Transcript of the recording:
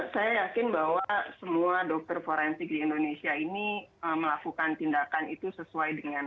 saya yakin bahwa semua dokter forensik di indonesia ini melakukan tindakan itu sesuai dengan